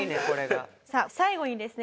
さあ最後にですね